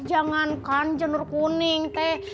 jangankan janggut kuning teh